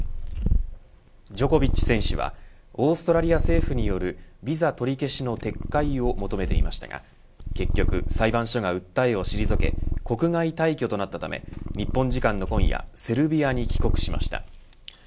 ジョコビッチ選手はオーストラリア政府によるビザ取り消しの撤回を求めていましたが結局裁判所が訴えを退け国外退去となったため日本時間の今夜、セルビアに帰国しました。